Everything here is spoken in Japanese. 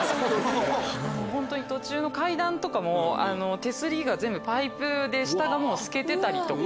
途中の階段とかも手すりがパイプで下が透けてたりとか。